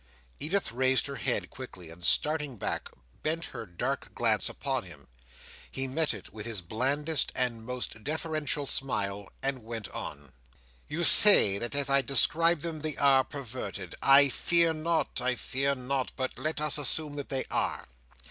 Edith raised her head quickly, and starting back, bent her dark glance upon him. He met it with his blandest and most deferential smile, and went on. "You say that as I describe them, they are perverted. I fear not—I fear not: but let us assume that they are.